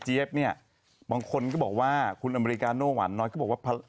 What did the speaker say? เนี่ยบางคนก็บอกว่าคุณอเมริกาโน่หวานน้อยก็บอกว่า